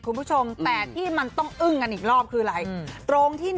คุณผู้ชมแต่ที่มันต้องอึ้งกันอีกรอบคืออะไรตรงที่